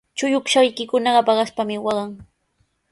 Chullukshaykunaqa paqaspami waqan.